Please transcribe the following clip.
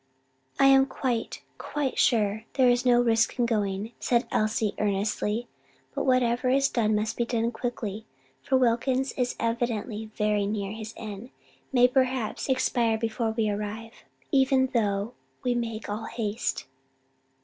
"I am quite, quite sure there is no risk in going," said Elsie earnestly, "but whatever is done must be done quickly, for Wilkins is evidently very near his end; may, perhaps, expire before we arrive, even though we make all haste."